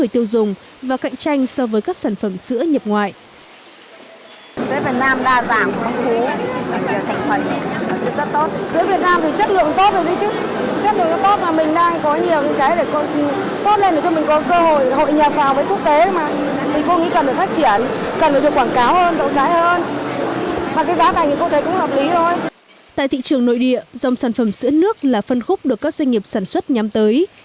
tại thị trường nội địa dòng sản phẩm sữa nước là phân khúc được các doanh nghiệp sản xuất nhắm tới